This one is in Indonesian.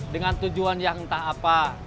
dengan tujuan yang entah apa